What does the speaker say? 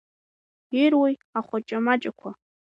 Ируеи ахәаҷамаҷақәа?